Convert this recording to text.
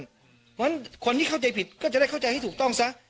เพราะฉะนั้นคนที่เข้าใจผิดก็จะได้เข้าใจให้ถูกต้องซะ